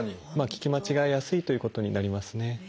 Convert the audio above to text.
聞き間違えやすいということになりますね。